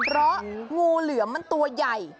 เพราะงูเหลือมมันตัวใหญ่